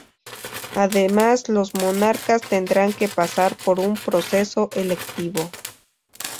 Además los monarcas tendrán que pasar por un proceso electivo.